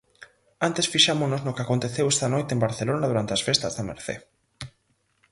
Antes fixámonos no que aconteceu esta noite en Barcelona durante as festas da Mercé.